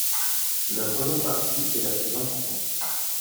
La troisième partie est la plus importante.